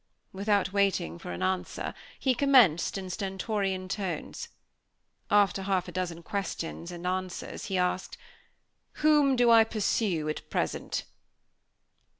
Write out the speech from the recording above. Without waiting for an answer, he commenced, in stentorian tones. After half a dozen questions and answers, he asked: "Whom do I pursue at present?"